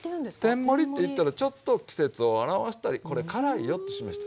天盛りっていったらちょっと季節を表したりこれ辛いよってしました。